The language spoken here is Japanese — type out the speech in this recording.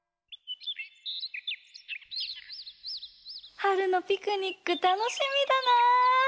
はるのピクニックたのしみだな！